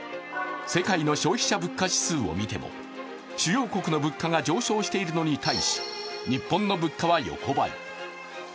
世界の消費者物価指数を見ても主要国の物価が上昇しているのに対し、日本の物価は横ばい。